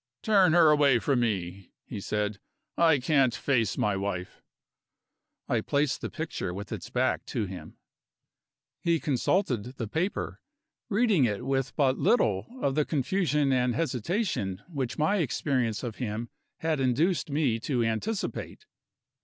"Turn her away from me," he said; "I can't face my wife." I placed the picture with its back to him. He consulted the paper, reading it with but little of the confusion and hesitation which my experience of him had induced me to anticipate.